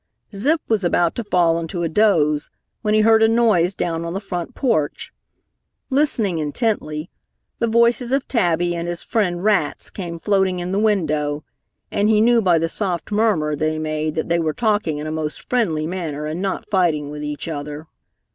Zip was about to fall into a doze when he heard a noise down on the front porch. Listening intently, the voices of Tabby and his friend, Rats, came floating in the window, and he knew by the soft murmur they made that they were talking in a most friendly manner and not fighting with each other.